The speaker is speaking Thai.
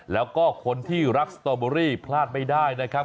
แล้วก็คนที่รักสตอเบอรี่พลาดไม่ได้นะครับ